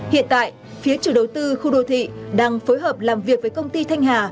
hiện tại phía chủ đầu tư khu đô thị đang phối hợp làm việc với công ty thanh hà